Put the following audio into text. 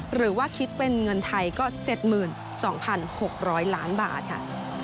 หรือว่าคิดเป็นเงินไทยก็๗๒๖๐๐ล้านบาทค่ะ